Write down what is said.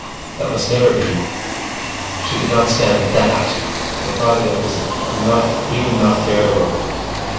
that must never be. She could not stand that. The thought of it even was not bearable.